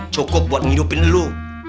cukup buat ngidupin lu